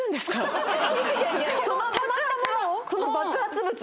たまったものを？